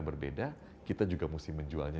berbeda kita juga mesti menjualnya